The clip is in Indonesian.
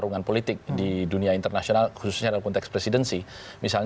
yang pertama adalah pemerintah yang menggunakan teknologi yang sangat berpengaruh